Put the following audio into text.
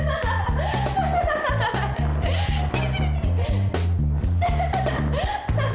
kepala kakak pusing banget ya